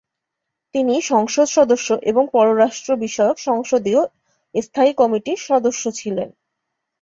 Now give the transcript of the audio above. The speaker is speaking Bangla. তিনি সংসদ সদস্য এবং পররাষ্ট্র বিষয়ক সংসদীয় স্থায়ী কমিটির সদস্য ছিলেন।